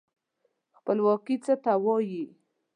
خپلواکي څه ته وايي.